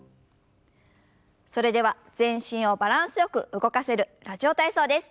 それでは全身をバランスよく動かせる「ラジオ体操」です。